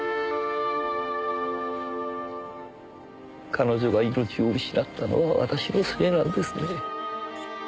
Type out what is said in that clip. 彼女が命を失ったのは私のせいなんですね。